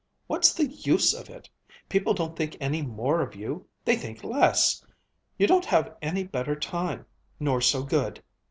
What's the use of it? People don't think any more of you! They think less! You don't have any better time nor so good!